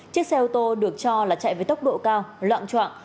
chiếc xe ô tô được cho là chạy với tốc độ cao loạn trọng